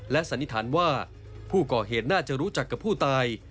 สันนิษฐานว่าผู้ก่อเหตุน่าจะรู้จักกับผู้ตาย